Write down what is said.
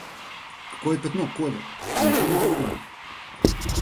Какое пятно, Коля? Я ничего не понимаю.